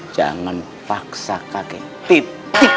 jangan paksa kakek titik